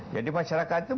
jadi masyarakat itu mudah